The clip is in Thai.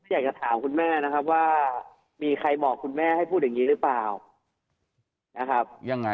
อยากจะถามคุณแม่นะครับว่ามีใครบอกคุณแม่ให้พูดอย่างนี้หรือเปล่านะครับยังไง